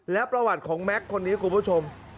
และประวัติของแม็กซ์คนนี้คุณผู้ชม